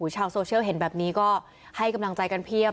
ชาวโซเชียลเห็นแบบนี้ก็ให้กำลังใจกันเพียบ